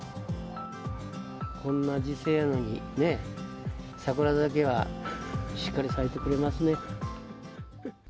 こんな時世なのにね、桜だけはしっかり咲いてくれますね。